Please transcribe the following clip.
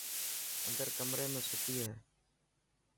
اندر ڪمري ۾ ستي هي.